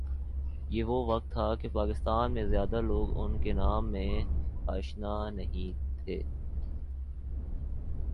یہ وہ وقت تھا کہ پاکستان میں زیادہ لوگ ان کے نام سے آشنا نہیں تھے